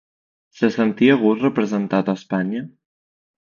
Se sentia a gust representant a Espanya?